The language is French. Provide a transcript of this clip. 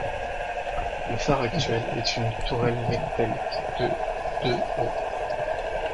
Le phare actuel est une tourelle métallique de de haut.